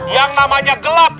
yang namanya gelap